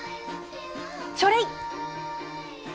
チョレイ。